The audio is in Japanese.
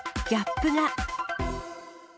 ギャップが。